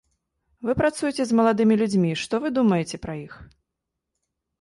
Вы працуеце з маладымі людзьмі, што вы думаеце пра іх?